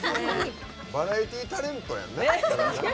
バラエティータレントやんな。